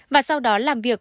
và sau đó làm việc